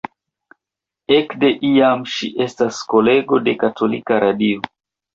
Ekde iam ŝi estas kolego de katolika radio.